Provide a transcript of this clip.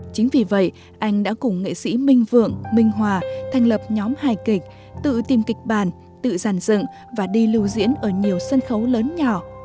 chính vì vậy anh đã cùng nghệ sĩ minh vượng minh hòa thành lập nhóm hài kịch tự tìm kịch bản tự giàn dựng và đi lưu diễn ở nhiều sân khấu lớn nhỏ